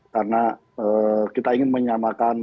karena kita ingin menyamakan